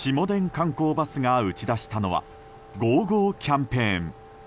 観光バスが打ち出したのは５０５０キャンペーン。